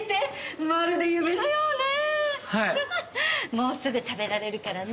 もうすぐ食べられるからね。